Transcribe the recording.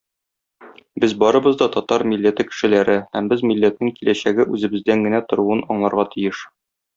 Без барыбыз да татар милләте кешеләре һәм без милләтнең киләчәге үзебездән генә торуын аңларга тиеш.